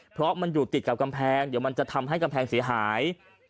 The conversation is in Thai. เพราะมันอยู่ติดกับกำแพงเดี๋ยวมันจะทำให้กำแพงเสียหาย